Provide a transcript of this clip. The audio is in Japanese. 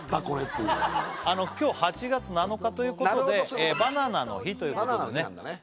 っていう今日８月７日ということでなるほどバナナの日ということでね